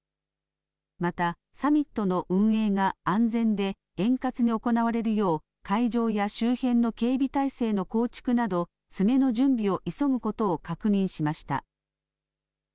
また、サミットの運営が安全で円滑に行われるよう、会場や周辺の警備態勢の構築など、詰めの準備を急ぐことを確認しました。